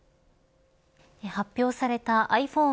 発表されたｉＰｈｏｎｅ